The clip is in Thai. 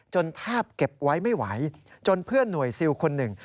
แทบเก็บไว้ไม่ไหวจนเพื่อนหน่วยซิลคนหนึ่ง